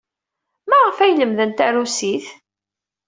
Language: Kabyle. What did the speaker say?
Maɣef ay lemden tarusit?